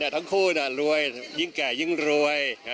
ทั้งคู่รวยยิ่งแก่ยิ่งรวย